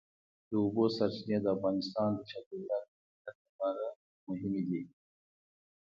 د اوبو سرچینې د افغانستان د چاپیریال د مدیریت لپاره مهم دي.